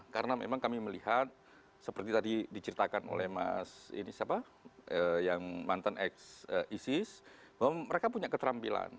karena memang kami melihat seperti tadi diceritakan oleh mas ini siapa yang mantan ex isis bahwa mereka punya keterampilan